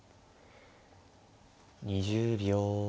２０秒。